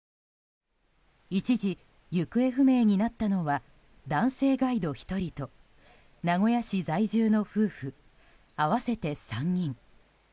一時、行方不明になったのは男性ガイド１人と名古屋市在住の夫婦合わせて３人。